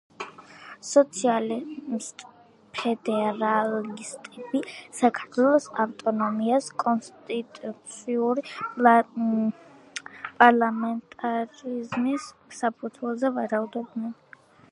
სოციალისტ-ფედერალისტები საქართველოს ავტონომიას კონსტიტუციური პარლამენტარიზმის საფუძველზე ვარაუდობდნენ.